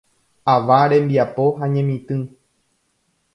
Ava rembiapo ha ñemitỹ.